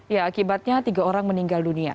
ya akibatnya tiga orang meninggal dunia